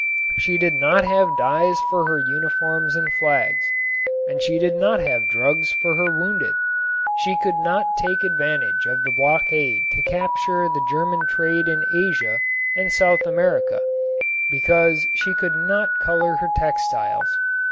She did not have dyes for her uniforms and flags, and she did not have drugs for her wounded. She could not take advantage of the blockade to capture the German trade in Asia and South America, because she could not color her textiles.